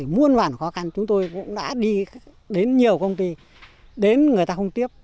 muôn vàn khó khăn chúng tôi cũng đã đi đến nhiều công ty đến người ta không tiếp